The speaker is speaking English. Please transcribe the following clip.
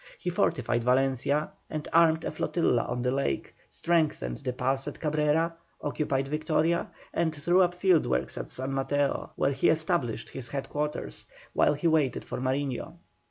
He fortified Valencia and armed a flotilla on the lake, strengthened the pass at Cabrera, occupied Victoria, and threw up field works at San Mateo, where he established his head quarters, while he waited for Mariño.